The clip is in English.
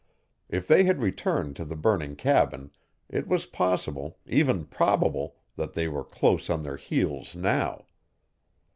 If they had returned to the burning cabin it was possible, even probable, that they were close on their heels now.